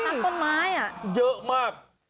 เหมือนอะน้ำต้นไม้อะเยอะมาก